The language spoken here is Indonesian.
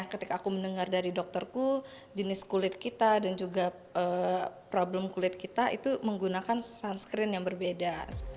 ketika aku mendengar dari dokterku jenis kulit kita dan juga problem kulit kita itu menggunakan sunscreen yang berbeda